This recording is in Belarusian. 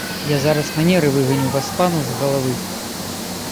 Я зараз манеры выганю васпану з галавы!